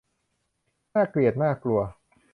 น่าเกลียดน่ากลัว